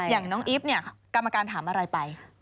อย่างน้องอีฟเนี่ยกรรมการถามอะไรไป